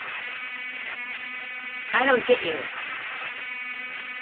I don't get you.